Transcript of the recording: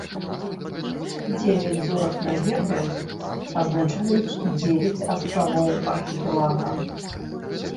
Дзевяць зорак на гербе азначаюць дзевяць астравоў архіпелага.